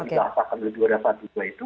di dasar dua ratus dua belas itu